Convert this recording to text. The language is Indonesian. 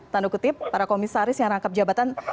tanda kutip para komisaris yang rangkap jabatan